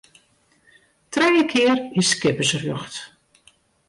Trije kear is skippersrjocht.